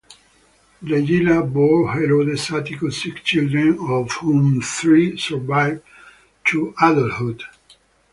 Regilla bore Herodes Atticus six children, of whom three survived to adulthood.